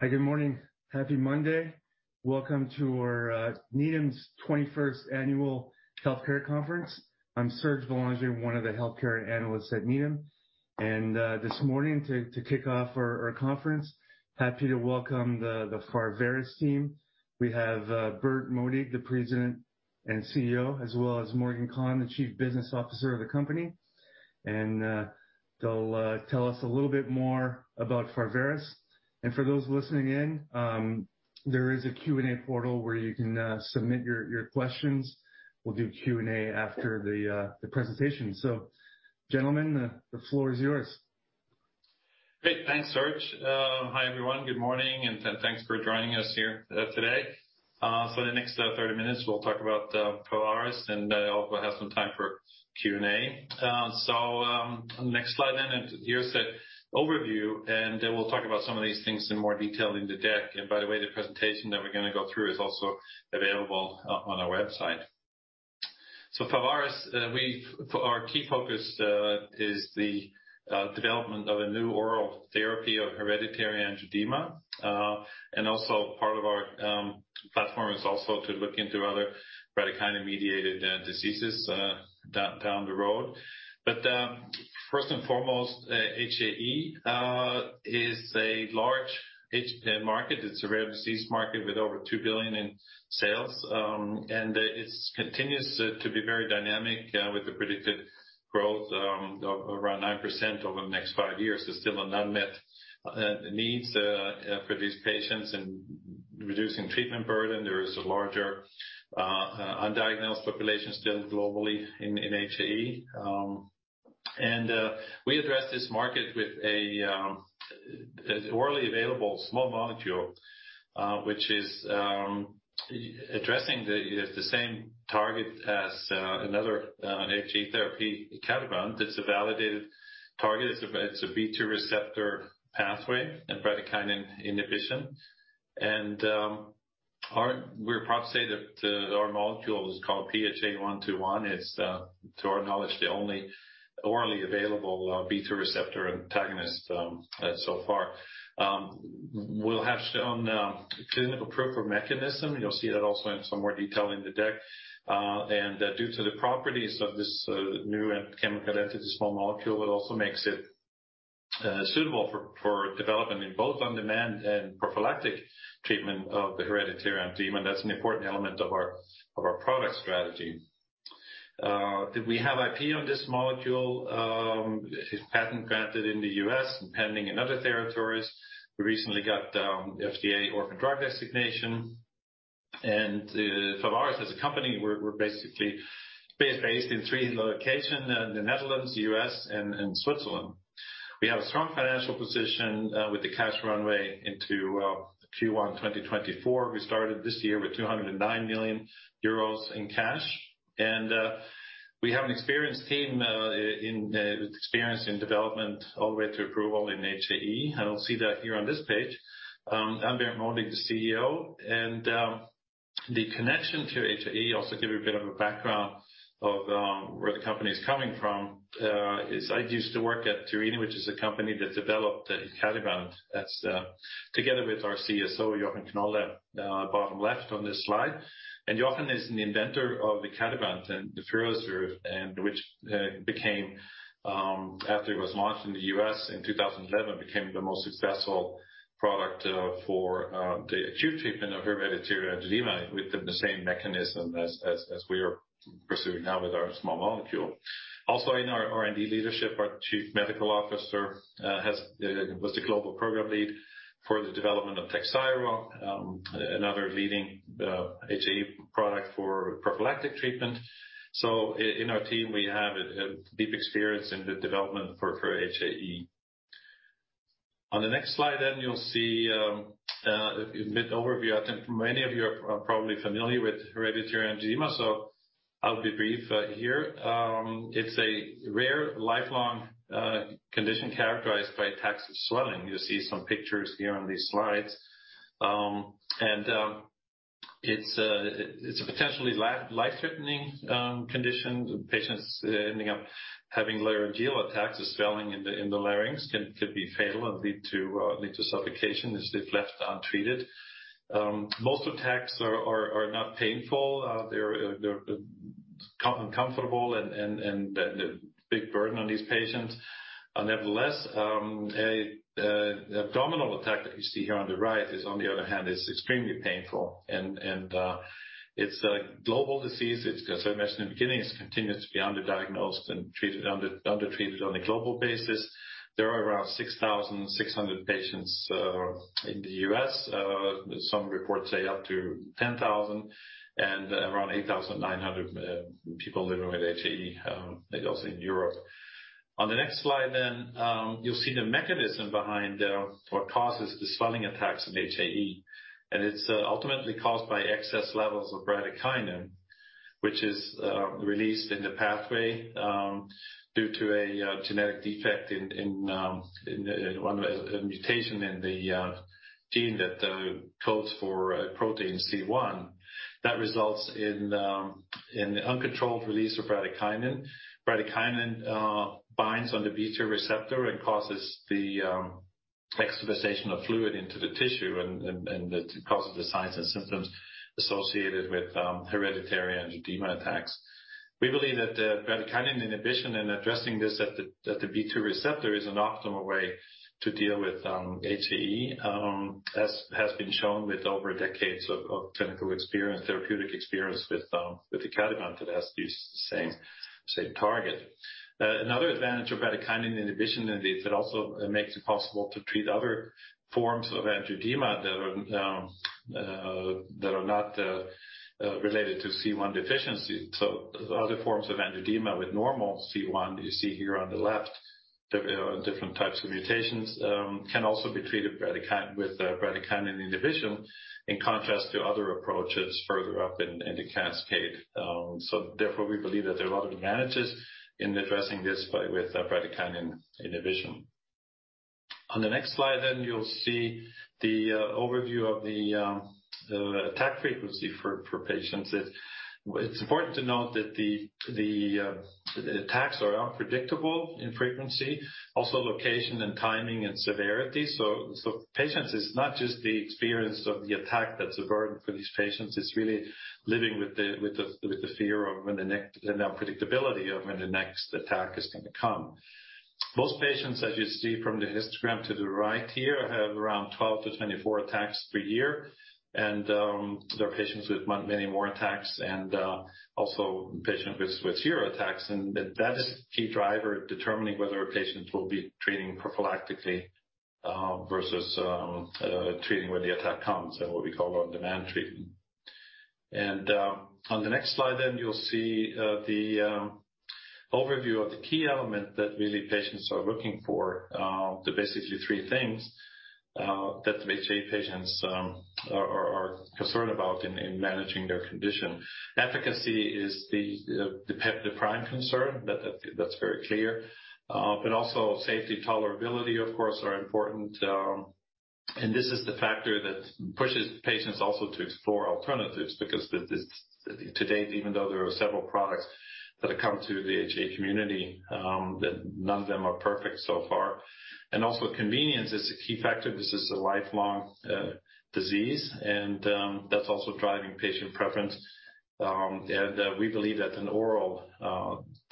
Hi, good morning. Happy Monday. Welcome to our 21st Annual Needham Virtual Healthcare Conference. I'm Serge Belanger, one of the Healthcare Analysts at Needham. This morning to kick off our conference, happy to welcome the Pharvaris team. We have Berndt Modig, the President and CEO, as well as Morgan Conn, the Chief Business Officer of the company. They'll tell us a little bit more about Pharvaris. For those listening in, there is a Q&A portal where you can submit your questions. We'll do Q&A after the presentation. Gentlemen, the floor is yours. Great. Thanks, Serge. Hi, everyone. Good morning, and thanks for joining us here today. For the next 30 minutes we'll talk about Pharvaris, and I hope we'll have some time for Q&A. Next slide then. Here's the overview, and then we'll talk about some of these things in more detail in the deck. By the way, the presentation that we're gonna go through is also available on our website. Pharvaris, our key focus is the development of a new oral therapy for Hereditary Angioedema. Also part of our platform is also to look into other bradykinin-mediated diseases down the road. First and foremost, HAE is a large HAE market. It's a rare disease market with over $2 billion in sales. It continues to be very dynamic, with the predicted growth around 9% over the next five years. There's still unmet needs for these patients in reducing treatment burden. There is a larger undiagnosed population still globally in HAE. We address this market with an orally available small molecule, which is addressing the same target as another HAE therapy, Icatibant. It's a validated target. It's a B2 receptor pathway and bradykinin inhibition. We're proud to say that our molecule is called PHA121. It's to our knowledge the only orally available B2 receptor antagonist so far. We'll have our own clinical proof of mechanism. You'll see that also in some more detail in the deck. Due to the properties of this new chemical entity, small molecule, it also makes it suitable for development in both on-demand and prophylactic treatment of the Hereditary Angioedema. That's an important element of our product strategy. We have IP on this molecule. Its patent granted in the U.S. and pending in other territories. We recently got FDA Orphan Drug Designation. Pharvaris as a company, we're basically based in three locations, the Netherlands, the U.S. and Switzerland. We have a strong financial position with the cash runway into Q1 2024. We started this year with 209 million euros in cash. We have an experienced team with experience in development all the way through approval in HAE. We'll see that here on this page. I'm Berndt Modig, the CEO. The connection to HAE also give you a bit of a background of where the company is coming from is I used to work at Jerini, which is a company that developed Icatibant. That's together with our CSO, Jochen Knolle, bottom left on this slide. Jochen is an inventor of Icatibant and Firazyr, which became after it was launched in the U.S. in 2011, the most successful product for the acute treatment of Hereditary Angioedema with the same mechanism as we are pursuing now with our small molecule. Also in our R&D leadership, our Chief Medical Officer was the global program lead for the development of Takhzyro, another leading HAE product for prophylactic treatment. In our team, we have a deep experience in the development for HAE. On the next slide, you'll see a brief overview. I think many of you are probably familiar with Hereditary Angioedema, so I'll be brief here. It's a rare, lifelong condition characterized by attacks of swelling. You'll see some pictures here on these slides. It's a potentially life-threatening condition. Patients ending up having laryngeal attacks, the swelling in the larynx can be fatal and lead to suffocation if left untreated. Most attacks are not painful. They're uncomfortable and a big burden on these patients. Nevertheless, an abdominal attack that you see here on the right, on the other hand, is extremely painful. It's a global disease. It's, as I mentioned in the beginning, it continues to be underdiagnosed and undertreated on a global basis. There are around 6,600 patients in the U.S. Some reports say up to 10,000 and around 8,900 people living with HAE diagnosed in Europe. On the next slide, you'll see the mechanism behind what causes the swelling attacks in HAE. It's ultimately caused by excess levels of bradykinin, which is released in the pathway due to a genetic defect, a mutation in the gene that codes for protein C1. That results in the uncontrolled release of bradykinin. Bradykinin binds on the B2 receptor and causes the extravasation of fluid into the tissue and the signs and symptoms associated with Hereditary Angioedema attacks. We believe that the bradykinin inhibition in addressing this at the B2 receptor is an optimal way to deal with HAE, as has been shown with over decades of clinical experience, therapeutic experience with Icatibant that has these same target. Another advantage of bradykinin inhibition, indeed, it also makes it possible to treat other forms of angioedema that are not related to C1 deficiency. Other forms of angioedema with normal C1 you see here on the left. There are different types of mutations can also be treated with bradykinin inhibition, in contrast to other approaches further up in the cascade. Therefore, we believe that there are a lot of advantages in addressing this with bradykinin inhibition. On the next slide, you'll see the overview of the attack frequency for patients. It's important to note that the attacks are unpredictable in frequency, also location and timing and severity. Patients, it's not just the experience of the attack that's a burden for these patients. It's really living with the fear of the unpredictability of when the next attack is going to come. Most patients, as you see from the histogram to the right here, have around 12-24 attacks per year. There are patients with many more attacks and also patients with zero attacks. That is a key driver determining whether patients will be treating prophylactically versus treating when the attack comes, and what we call on-demand treatment. On the next slide, you'll see the overview of the key element that really patients are looking for. The basically three things that HAE patients are concerned about in managing their condition. Efficacy is the prime concern. That is very clear. Also safety, tolerability of course, are important. This is the factor that pushes patients also to explore alternatives because to date, even though there are several products that have come to the HAE community, that none of them are perfect so far. Also convenience is a key factor. This is a lifelong disease and that's also driving patient preference. We believe that an oral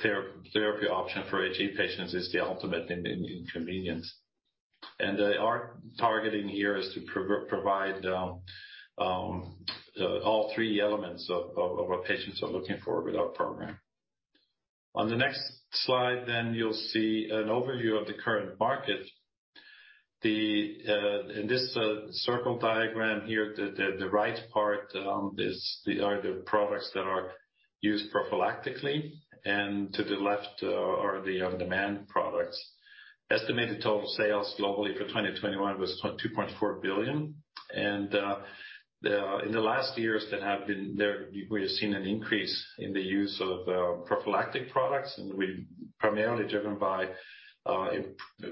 therapy option for HAE patients is the ultimate in convenience. Our targeting here is to provide all three elements of what patients are looking for with our program. On the next slide you'll see an overview of the current market. In this circle diagram here, the right part are the products that are used prophylactically, and to the left are the on-demand products. Estimated total sales globally for 2021 was $2.4 billion. In the last years, we have seen an increase in the use of prophylactic products, primarily driven by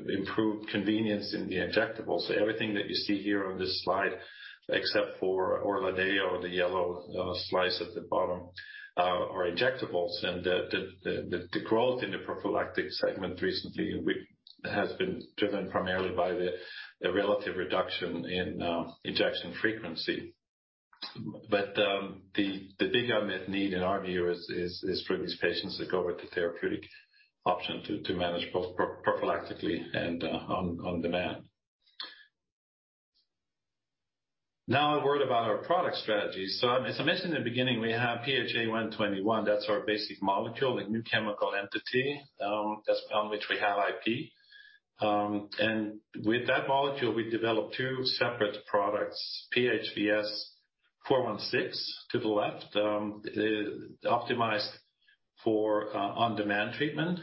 improved convenience in the injectables. Everything that you see here on this slide, except for Orladeyo, the yellow slice at the bottom, are injectables. The growth in the prophylactic segment recently, which has been driven primarily by the relative reduction in injection frequency. The big unmet need in our view is for these patients to go with the therapeutic option to manage both prophylactically and on demand. Now a word about our product strategy. As I mentioned in the beginning, we have PHA121. That's our basic molecule, the new chemical entity, that's on which we have IP. With that molecule, we developed two separate products, PHVS416 to the left, optimized for on-demand treatment.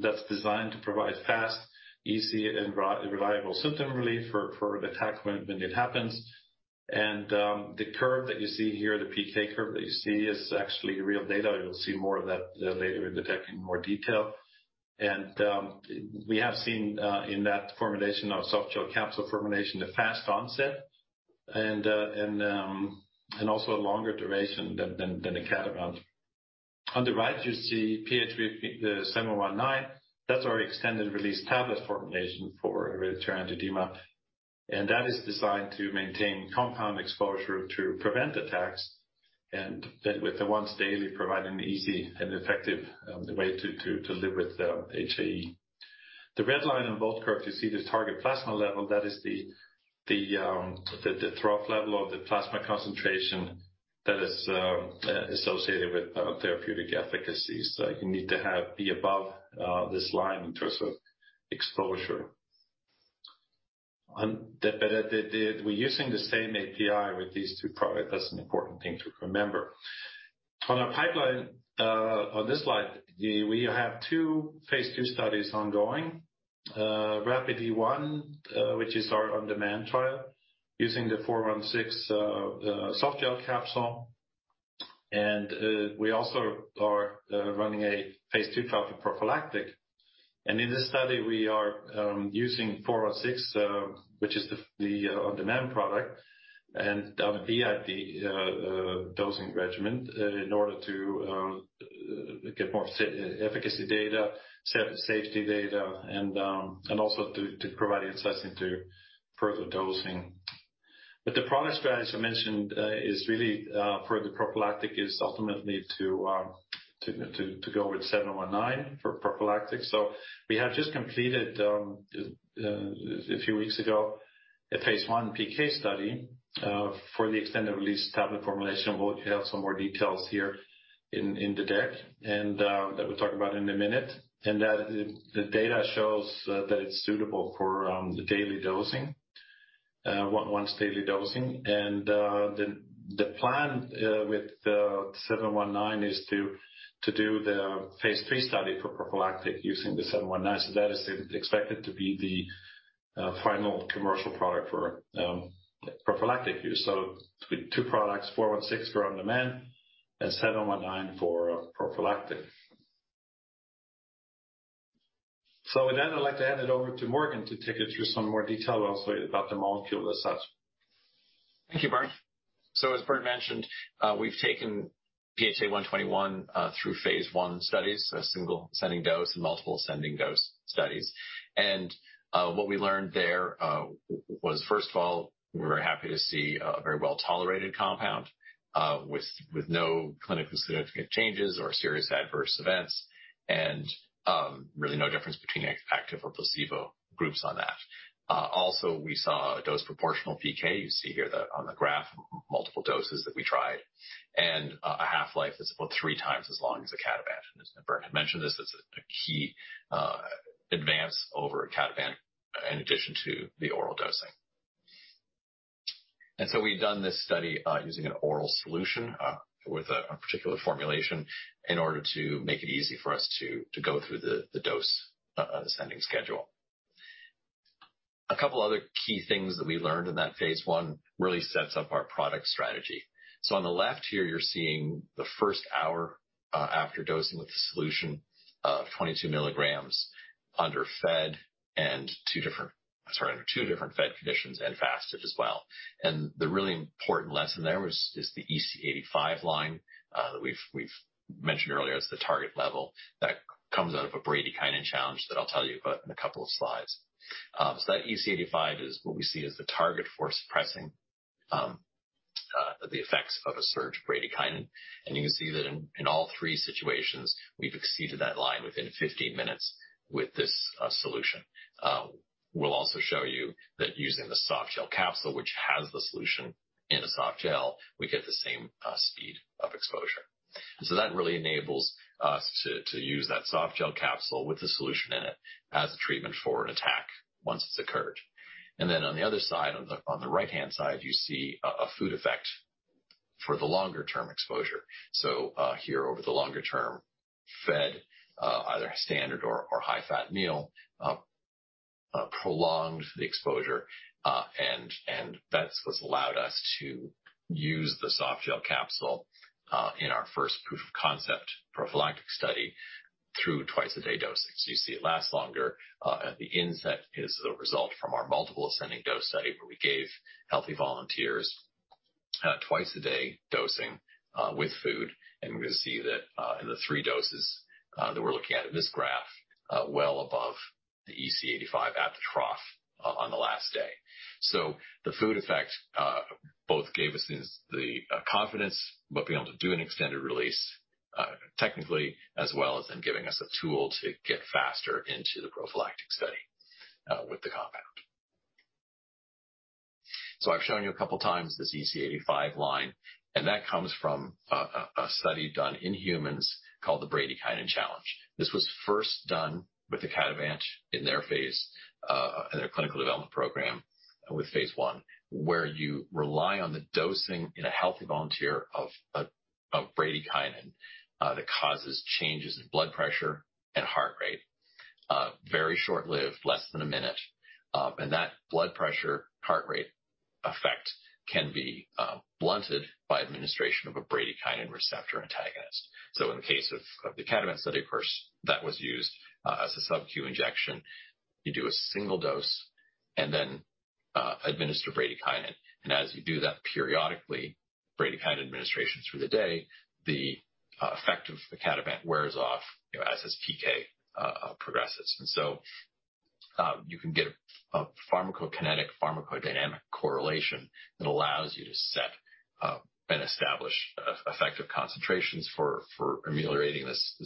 That's designed to provide fast, easy, and reliable symptom relief for the attack when it happens. The curve that you see here, the PK curve that you see is actually real data. You'll see more of that later in the deck in more detail. We have seen in that formulation of softgel capsule formulation, the fast onset and also a longer duration than the Icatibant. On the right you see PHVS719. That's our extended-release tablet formulation for Hereditary Angioedema. That is designed to maintain compound exposure to prevent attacks. Then with the once daily, providing an easy and effective way to live with the HAE. The red line on both curves, you see the target plasma level. That is the trough level of the plasma concentration that is associated with therapeutic efficacy. You need to be above this line in terms of exposure. We're using the same API with these two products. That's an important thing to remember. On our pipeline on this slide, we have two phase II studies ongoing. RAPIDe-1, which is our on-demand trial using the PHVS416 softgel capsule. We also are running a phase II trial for prophylactic. In this study, we are using 416, which is the on-demand product and BID dosing regimen in order to get more efficacy data, safety data, and also to provide insights into further dosing. The product strategy I mentioned is really for the prophylactic is ultimately to go with 719 for prophylactic. We have just completed a few weeks ago a phase I PK study for the extended release tablet formulation. We'll have some more details here in the deck and that we'll talk about in a minute. The data shows that it's suitable for the daily dosing, once daily dosing. The plan with the 719 is to do the phase III study for prophylactic using the 719. That is expected to be the final commercial product for prophylactic use. Two products, 416 for on-demand and 719 for prophylactic. With that, I'd like to hand it over to Morgan to take you through some more detail also about the molecule as such. Thank you, Berndt. As Berndt mentioned, we've taken PHA121 through phase I studies, a single ascending dose and multiple ascending dose studies. What we learned there was first of all, we were happy to see a very well-tolerated compound with no clinically significant changes or serious adverse events, and really no difference between active or placebo groups on that. Also we saw a dose proportional PK. You see here, on the graph, multiple doses that we tried and a half-life that's about three times as long as Icatibant. As Berndt had mentioned, this is a key advance over Icatibant in addition to the oral dosing. We've done this study using an oral solution with a particular formulation in order to make it easy for us to go through the dose ascending schedule. A couple other key things that we learned in that phase I really sets up our product strategy. On the left here, you're seeing the first hour after dosing with the solution of 22 milligrams under two different fed conditions and fasted as well. The really important lesson there is the EC85 line that we've mentioned earlier as the target level that comes out of a bradykinin challenge that I'll tell you about in a couple of slides. That EC85 is what we see as the target for suppressing the effects of a surge bradykinin. You can see that in all three situations, we've exceeded that line within 15 minutes with this solution. We'll also show you that using the softgel capsule, which has the solution in a softgel, we get the same speed of exposure. That really enables us to use that softgel capsule with the solution in it as a treatment for an attack once it's occurred. On the other side, on the right-hand side, you see a food effect for the longer term exposure. Here over the longer term fed, either a standard or high-fat meal prolonged the exposure, and that's what's allowed us to use the softgel capsule in our first proof of concept prophylactic study through twice-a-day dosing. You see it lasts longer. At the inset is a result from our multiple ascending dose study where we gave healthy volunteers, twice a day dosing, with food. We're gonna see that, in the three doses, that we're looking at in this graph, well above the EC85 at the trough on the last day. The food effect both gave us the confidence about being able to do an extended release, technically, as well as then giving us a tool to get faster into the prophylactic study, with the compound. I've shown you a couple times this EC85 line, and that comes from a study done in humans called the bradykinin challenge. This was first done with Icatibant in their phase I clinical development program with phase I, where you rely on the dosing in a healthy volunteer of bradykinin that causes changes in blood pressure and heart rate. Very short-lived, less than a minute, and that blood pressure, heart rate effect can be blunted by administration of a bradykinin receptor antagonist. In the case of the Icatibant study, of course, that was used as a subcu injection. You do a single dose and then administer bradykinin. As you do that periodically, bradykinin administration through the day, the effect of Icatibant wears off, you know, as its PK progresses. You can get a pharmacokinetic pharmacodynamic correlation that allows you to set, and establish effective concentrations for ameliorating this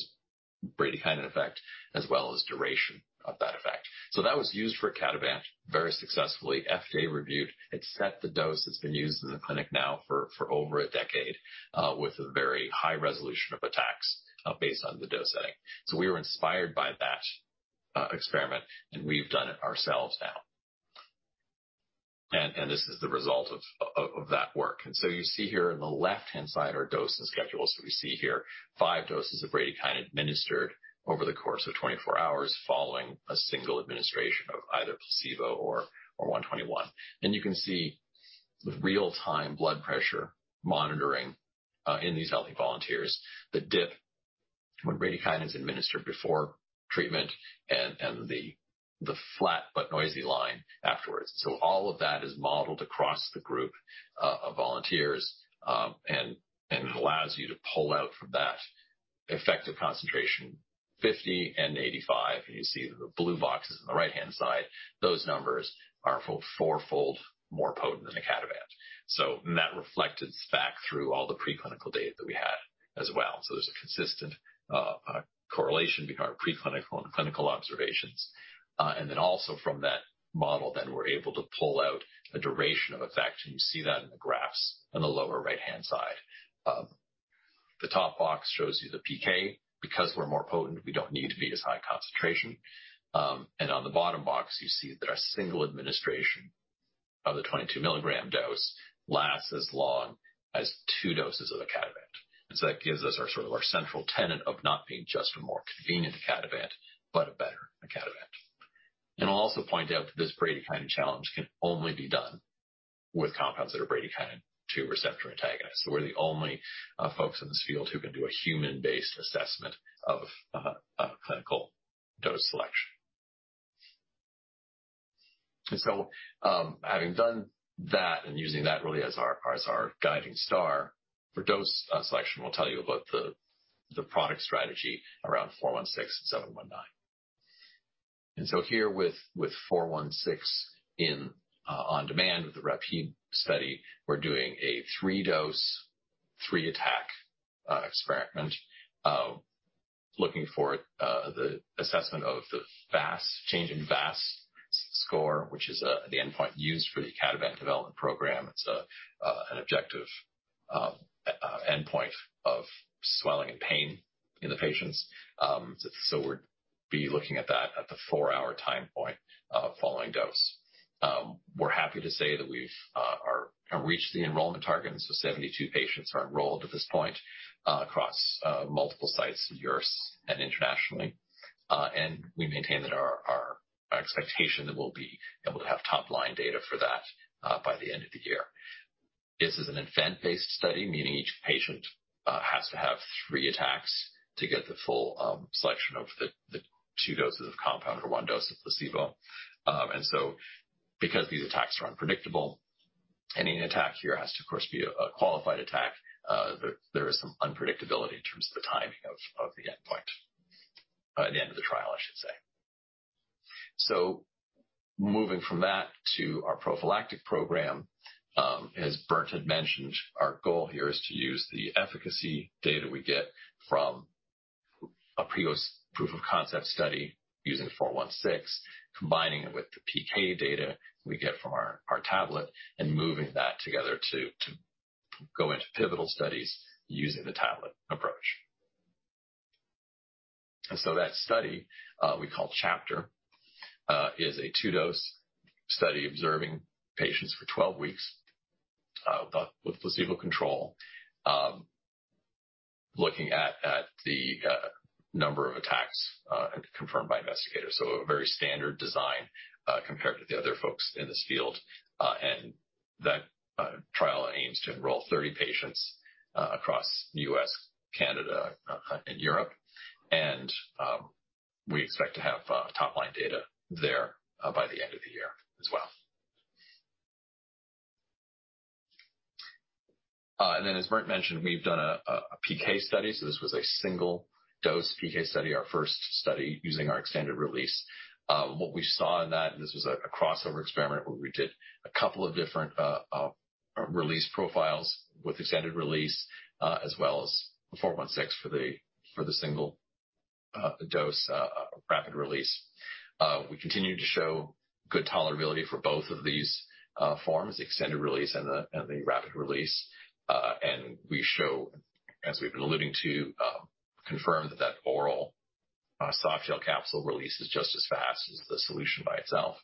bradykinin effect as well as duration of that effect. That was used for Icatibant very successfully. FDA reviewed it, set the dose that's been used in the clinic now for over a decade, with a very high resolution of attacks, based on the dose setting. We were inspired by that experiment, and we've done it ourselves now. This is the result of that work. You see here on the left-hand side are dosing schedules. We see here five doses of bradykinin administered over the course of 24 hours following a single administration of either placebo or PHA121. You can see the real-time blood pressure monitoring in these healthy volunteers. The dip when bradykinin is administered before treatment and the flat but noisy line afterwards. All of that is modeled across the group of volunteers, and it allows you to pull out from that effective concentration 50 and 85. You see the blue boxes on the right-hand side, those numbers are fourfold more potent than Icatibant. That reflected back through all the preclinical data that we had as well. There's a consistent correlation between our preclinical and clinical observations. From that model, we're able to pull out a duration of effect, and you see that in the graphs on the lower right-hand side. The top box shows you the PK. Because we're more potent, we don't need to be as high concentration. On the bottom box you see that our single administration of the 22 milligram dose lasts as long as two doses of Icatibant. That gives us our sort of central tenet of not being just a more convenient Icatibant, but a better Icatibant. I'll also point out that this bradykinin challenge can only be done with compounds that are bradykinin B2 receptor antagonist. We're the only folks in this field who can do a human-based assessment of a clinical dose selection. Having done that and using that really as our guiding star for dose selection, we'll tell you about the product strategy around PHVS416 and PHVS719. Here with PHVS416 in on-demand with the RAPIDe-1 study, we're doing a three-dose, three-attack experiment looking for the assessment of the VAS, change in VAS score, which is the endpoint used for the Icatibant development program. It's an objective endpoint of swelling and pain in the patients. We're looking at that at the four-hour time point following dose. We're happy to say that we've reached the enrollment target, and 72 patients are enrolled at this point across multiple sites in Europe and internationally. We maintain that our expectation that we'll be able to have top-line data for that by the end of the year. This is an event-based study, meaning each patient has to have three attacks to get the full selection of the two doses of compound or one dose of placebo. Because these attacks are unpredictable, any attack here has to, of course, be a qualified attack. There is some unpredictability in terms of the timing of the endpoint. The end of the trial, I should say. Moving from that to our prophylactic program. As Berndt had mentioned, our goal here is to use the efficacy data we get from a previous proof of concept study using PHVS416, combining it with the PK data we get from our tablet, and moving that together to go into pivotal studies using the tablet approach. That study we call CHAPTER-1 is a two-dose study observing patients for 12 weeks with placebo control looking at the number of attacks and confirmed by investigators. A very standard design compared to the other folks in this field. That trial aims to enroll 30 patients across U.S., Canada, and Europe. We expect to have top-line data there by the end of the year as well. Then as Berndt mentioned, we've done a PK study. This was a single-dose PK study, our first study using our extended release. What we saw in that, this was a crossover experiment where we did a couple of different release profiles with extended release, as well as the PHVS416 for the single dose rapid release. We continued to show good tolerability for both of these forms, the extended release and the rapid release. We show, as we've been alluding to, confirm that that oral softgel capsule release is just as fast as the solution by itself.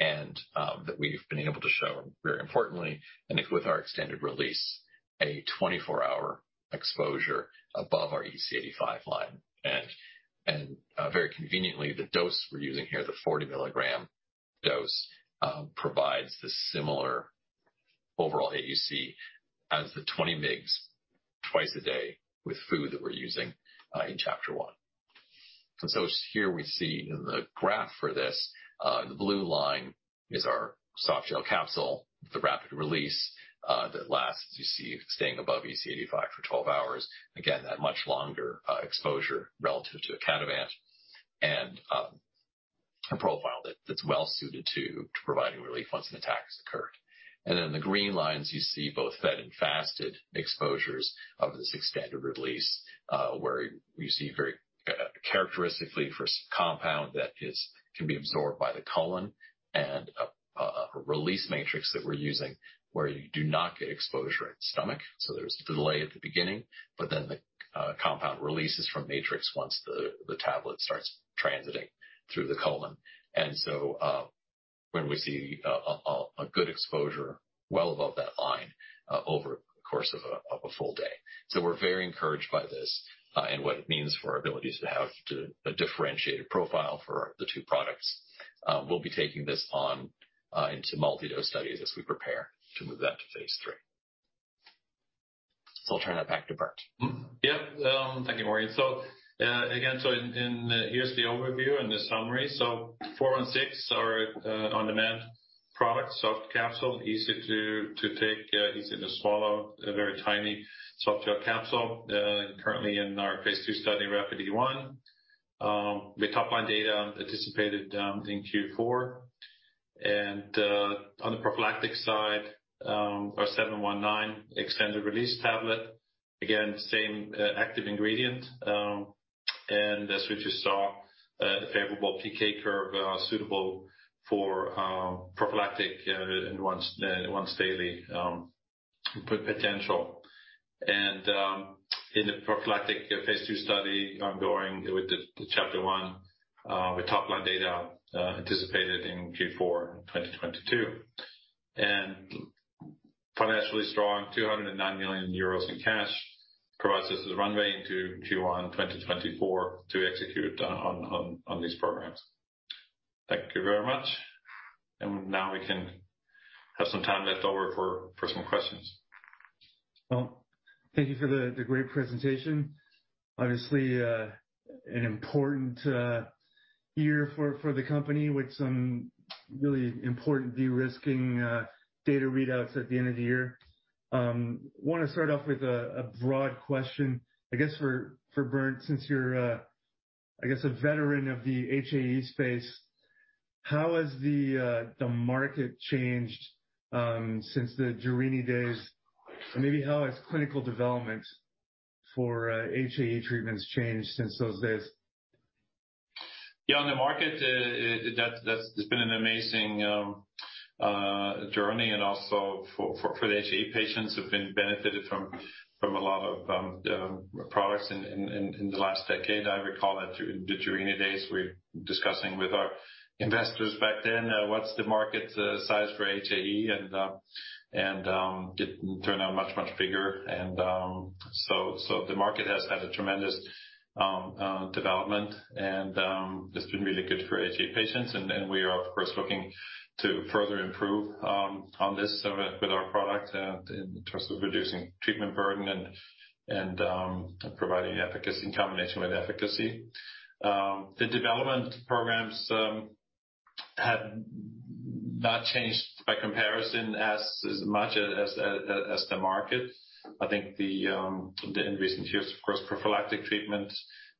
That we've been able to show very importantly, with our extended release, a 24-hour exposure above our EC85 line. Very conveniently, the dose we're using here, the 40 mg dose, provides the similar overall AUC as the 20 mg twice a day with food that we're using in CHAPTER-1. Here we see in the graph for this, the blue line is our softgel capsule, the rapid release, that lasts as you see, staying above EC85 for 12 hours. Again, that much longer exposure relative to Icatibant and a profile that's well suited to providing relief once an attack has occurred. In the green lines you see both fed and fasted exposures of this extended release, where you see very characteristically for S-compound that can be absorbed by the colon and a release matrix that we're using where you do not get exposure in the stomach. There's a delay at the beginning, but then the compound releases from matrix once the tablet starts transiting through the colon. When we see a good exposure well above that line over the course of a full day. We're very encouraged by this and what it means for our ability to have a differentiated profile for the two products. We'll be taking this on into multi-dose studies as we prepare to move that to phase III. I'll turn it back to Berndt. Thank you, Morgan. Here's the overview and the summary. 416 is our on-demand product. Soft capsule, easy to take, easy to swallow. A very tiny soft gel capsule, currently in our phase II study, RAPIDe-1, with topline data anticipated in Q4. On the prophylactic side, our seven-one-nine extended-release tablet. Again, same active ingredient. As we just saw, the favorable PK curve, suitable for prophylactic and once daily potential. In the prophylactic phase II study ongoing with CHAPTER-1, with topline data anticipated in Q4 2022. Financially strong, 209 million euros in cash provides us the runway into Q1 2024 to execute on these programs. Thank you very much. Now we can have some time left over for some questions. Well, thank you for the great presentation. Obviously, an important year for the company with some really important de-risking data readouts at the end of the year. Wanna start off with a broad question, I guess, for Berndt, since you're a veteran of the HAE space. How has the market changed since the Jerini days? Maybe how has clinical development for HAE treatments changed since those days? Yeah. On the market, that's been an amazing journey and also for the HAE patients who've benefited from a lot of products in the last decade. I recall that during the Jerini days, we were discussing with our investors back then, what's the market size for HAE and it turned out much bigger. So the market has had a tremendous development and it's been really good for HAE patients and we are of course looking to further improve on this with our product in terms of reducing treatment burden and providing efficacy in combination with efficacy. The development programs have not changed by comparison as much as the market. I think in recent years of course prophylactic treatments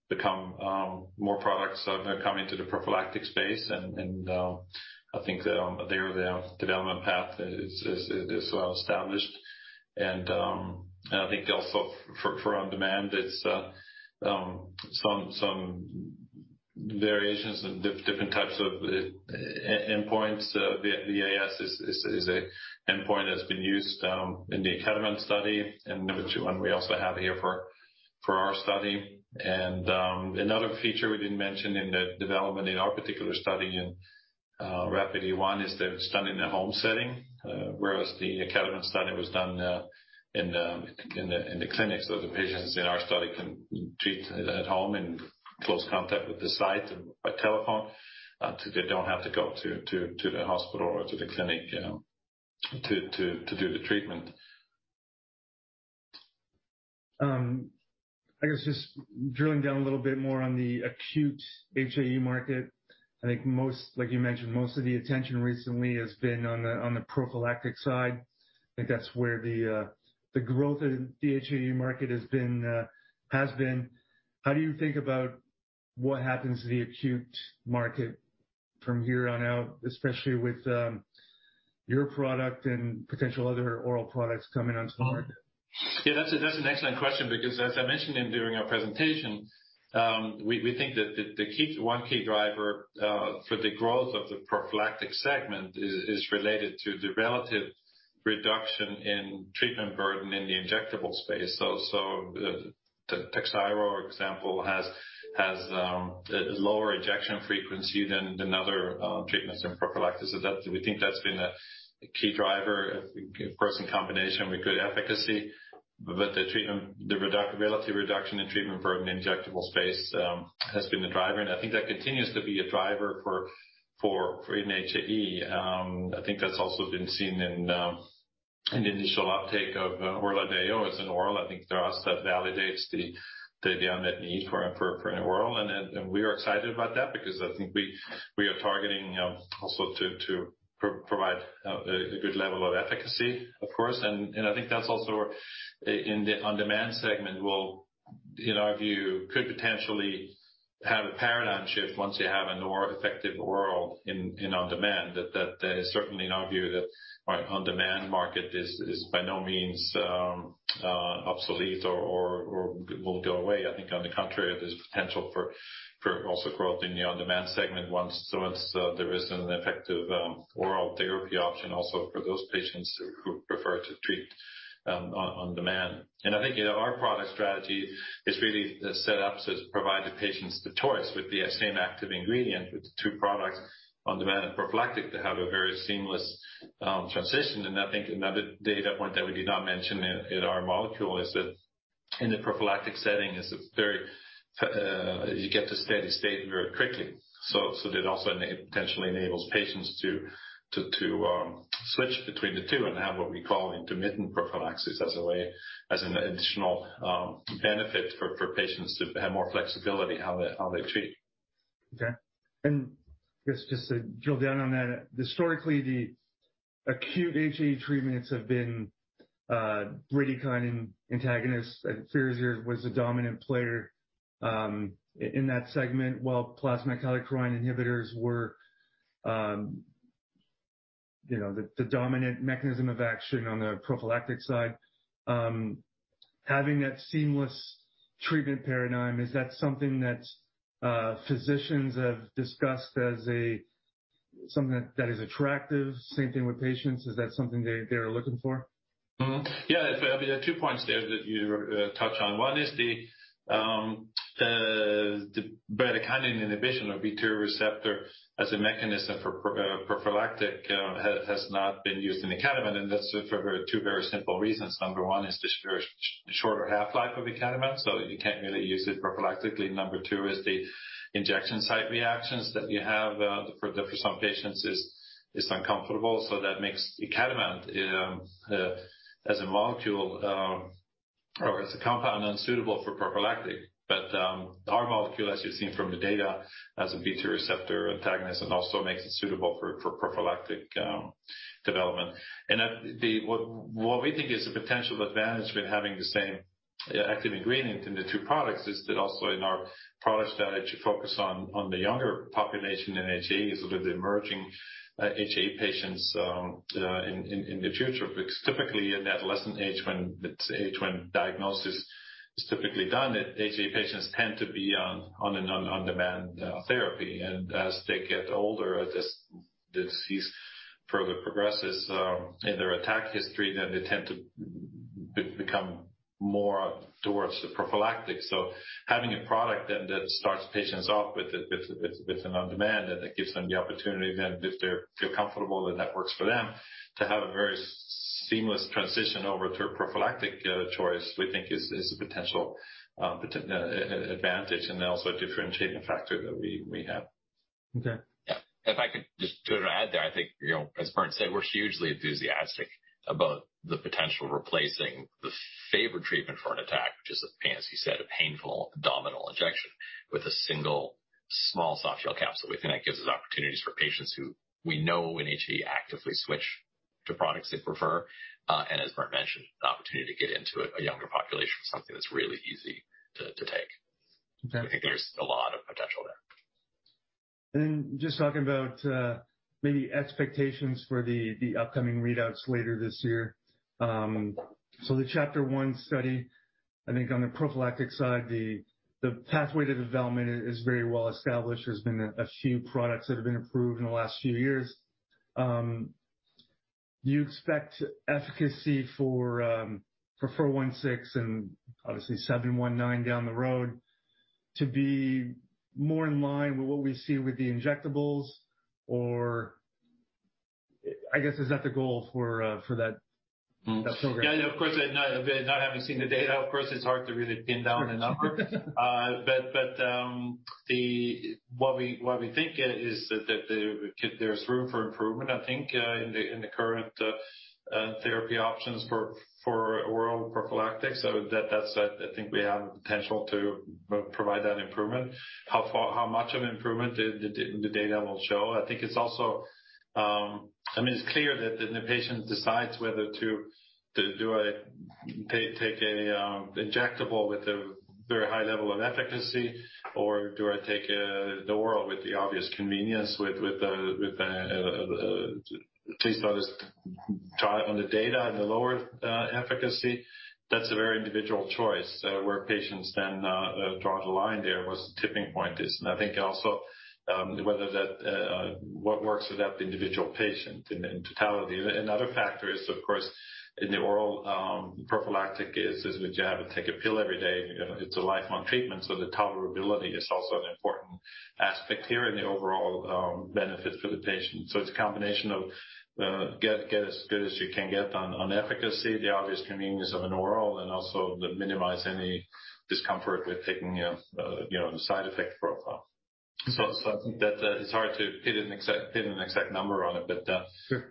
become more products are now coming to the prophylactic space and I think there the development path is well established. I think also for on-demand it's some variations and different types of endpoints. VAS is a endpoint that's been used in the Icatibant study, and number two, and we also have here for our study. Another feature we didn't mention in the development in our particular study in RAPIDe-1 is the study in the home setting, whereas the Icatibant study was done in the clinic. The patients in our study can treat at home in close contact with the site by telephone, so they don't have to go to the hospital or to the clinic to do the treatment. I guess just drilling down a little bit more on the acute HAE market. I think like you mentioned, most of the attention recently has been on the prophylactic side. I think that's where the growth in the HAE market has been. How do you think about what happens to the acute market from here on out, especially with your product and potential other oral products coming onto the market? Yeah, that's an excellent question because as I mentioned during our presentation, we think that one key driver for the growth of the prophylactic segment is related to the relative reduction in treatment burden in the injectable space. The Takhzyro example has lower injection frequency than other treatments in prophylactic. We think that's been a key driver, of course, in combination with good efficacy. The relative reduction in treatment in the injectable space has been the driver, and I think that continues to be a driver for HAE. I think that's also been seen in initial uptake of Orladeyo as an oral. I think to us that validates the unmet need for an oral and we are excited about that because I think we are targeting also to provide a good level of efficacy, of course. I think that's also in the on-demand segment, in our view, could potentially have a paradigm shift once you have a more effective oral in on-demand. That is certainly in our view that our on-demand market is by no means obsolete or will go away. I think on the contrary, there's potential for also growth in the on-demand segment once there is an effective oral therapy option also for those patients who prefer to treat on-demand. I think, you know, our product strategy is really set up to provide the patients the choice with the same active ingredient, with the two products on-demand and prophylactic to have a very seamless transition. I think another data point that we did not mention in our molecule is that in the prophylactic setting you get to steady state very quickly. So that also potentially enables patients to switch between the two and have what we call intermittent prophylaxis as a way, as an additional benefit for patients to have more flexibility how they treat. Okay. I guess just to drill down on that. Historically, the acute HAE treatments have been bradykinin antagonists, and Firazyr was the dominant player in that segment, while plasma kallikrein inhibitors were, you know, the dominant mechanism of action on the prophylactic side. Having that seamless treatment paradigm, is that something that physicians have discussed as something that is attractive? Same thing with patients, is that something they are looking for? I mean, there are two points there that you touch on. One is the bradykinin inhibition of B2 receptor as a mechanism for prophylactic has not been used in Icatibant, and that's for two very simple reasons. Number one is the shorter half-life of Icatibant, so you can't really use it prophylactically. Number two is the injection site reactions that you have for some patients is uncomfortable, so that makes Icatibant as a molecule or as a compound unsuitable for prophylactic. Our molecule, as you've seen from the data, as a B2 receptor antagonist and also makes it suitable for prophylactic development. What we think is a potential advantage with having the same active ingredient in the two products is that also in our product strategy focus on the younger population in HAE is sort of the emerging HAE patients in the future. Because typically in adolescent age, when it's the age when diagnosis is typically done, HAE patients tend to be on an on-demand therapy. As they get older, this disease further progresses in their attack history, then they tend to become more towards the prophylactic. Having a product that starts patients off with an on-demand, and it gives them the opportunity then, if they feel comfortable and that works for them, to have a very seamless transition over to a prophylactic choice, we think is a potential advantage and also a differentiating factor that we have. Okay. Yeah. If I could just add there. I think, you know, as Berndt said, we're hugely enthusiastic about the potential replacing the favored treatment for an attack, which is, as you said, a painful abdominal injection with a single small softgel capsule. We think that gives us opportunities for patients who we know in HAE actively switch to products they prefer. Berndt mentioned, the opportunity to get into a younger population for something that's really easy to take. Okay. I think there's a lot of potential there. Just talking about maybe expectations for the upcoming readouts later this year. The CHAPTER-1 study, I think on the prophylactic side, the pathway to development is very well established. There's been a few products that have been approved in the last few years. Do you expect efficacy for PHVS416 and obviously PHVS719 down the road to be more in line with what we see with the injectables? Or I guess, is that the goal for that program? Yeah, of course, not having seen the data, of course, it's hard to really pin down a number. What we think is that there's room for improvement, I think, in the current therapy options for oral prophylactic. That's, I think, we have the potential to provide that improvement, how much improvement the data will show. I think it's also, I mean, it's clear that the patient decides whether to take a injectable with a very high level of efficacy or do I take the oral with the obvious convenience, at least on this trial, the data and the lower efficacy. That's a very individual choice, where patients then draw the line there, where the tipping point is. I think also whether that what works for that individual patient in totality. Another factor is of course in the oral prophylactic is that you have to take a pill every day. You know, it's a lifelong treatment, so the tolerability is also an important aspect here and the overall benefit for the patient. It's a combination of get as good as you can get on efficacy, the obvious convenience of an oral, and also minimize any discomfort with taking you know the side effect profile. I think that it's hard to pin an exact number on it. Sure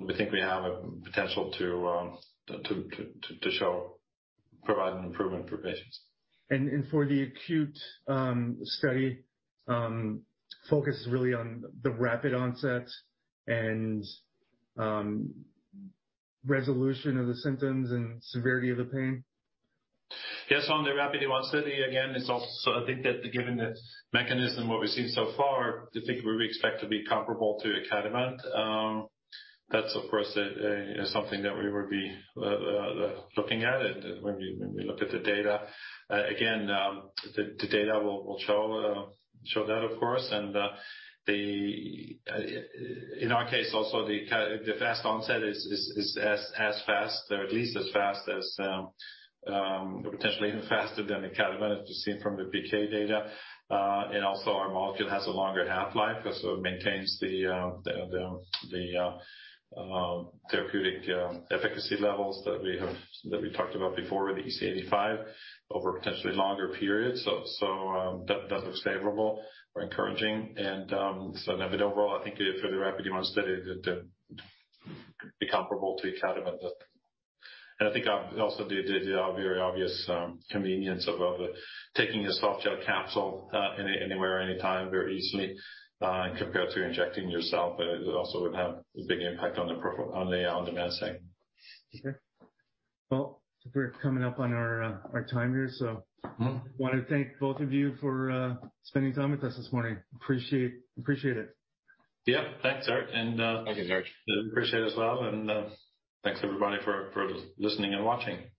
We think we have a potential to show providing improvement for patients. For the acute study, focus is really on the rapid onset and resolution of the symptoms and severity of the pain. Yes. On the RAPIDe-1 study, again, it's also, I think that given the mechanism, what we've seen so far, I think we really expect to be comparable to Icatibant. That's of course something that we would be looking at it when we look at the data. Again, the data will show that of course. In our case also the fast onset is as fast or at least as fast as potentially even faster than Icatibant, as you've seen from the PK data. And also our molecule has a longer half-life, and so it maintains the therapeutic efficacy levels that we talked about before with EC85 over potentially longer periods. That does look favorable or encouraging. Overall, I think for the RAPIDe-1 study it'd be comparable to Icatibant. I think also the very obvious convenience of taking a softgel capsule anywhere, anytime very easily compared to injecting yourself. It also would have a big impact on the on-demand setting. Okay. Well, we're coming up on our time here. Mm-hmm. I want to thank both of you for spending time with us this morning. Appreciate it. Yeah. Thanks, Serge. Thank you, Serge. I appreciate it as well. Thanks everybody for listening and watching.